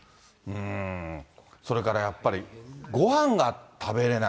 それからやっぱり、ごはんが食べれない。